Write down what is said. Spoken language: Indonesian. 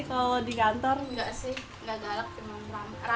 ya mbak grace ini sosok yang gampang didekati atau sebaliknya apalagi dengan nama tahir